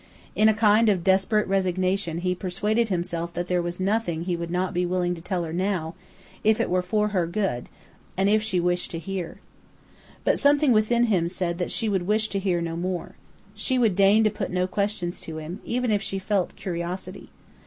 In a kind of desperate resignation he persuaded himself that there was nothing he would not be willing to tell her now, if it were for her good, and if she wished to hear. But something within him said that she would wish to hear no more. She would deign to put no questions to him, even if she felt curiosity.